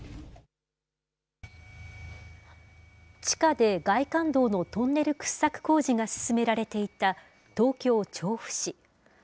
地下で外環道のトンネル掘削工事が進められていた東京・調布市。